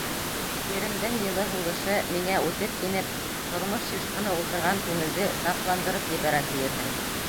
Еремдең йылы һулышы миңә үтеп инеп, тормош юшҡыны ултырған күңелде сафландырып ебәрә тиерһең.